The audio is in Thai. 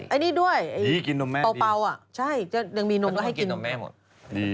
อันนี้ด้วยเ฼กมันคือกินนมแม่มันดี